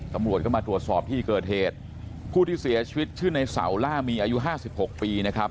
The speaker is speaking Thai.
ตำรวจก็มาตรวจสอบที่เกิดเหตุผู้ที่เสียชีวิตชื่อในเสาล่ามีอายุห้าสิบหกปีนะครับ